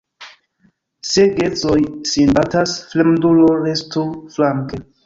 Se geedzoj sin batas, fremdulo restu flanke.